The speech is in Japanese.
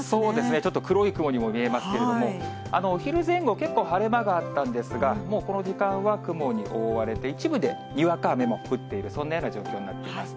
ちょっと黒い雲にも見えますけれども、お昼前後、結構晴れ間があったんですが、もうこの時間は雲に覆われて、一部でにわか雨も降っている、そんなような状況になっています。